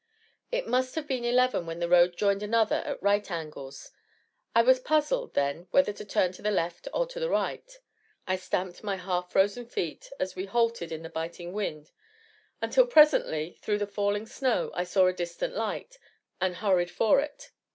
It must have been eleven when the road joined another at right angles; I was puzzled then whether to turn to the left or to the right. I stamped my half frozen feet, as we halted in the biting wind until, presently, through the falling snow, I saw a distant light, and hurried for it.